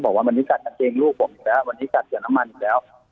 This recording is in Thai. ก็บอกว่าวันนี้จัดกระเทียงลูกผมอยู่แล้ววันนี้จัดเกี่ยวน้ำมันอยู่แล้ว